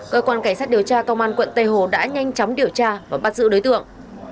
cơ quan cảnh sát điều tra công an quận tây hồ đã nhanh chóng điều tra và bắt giữ đối tượng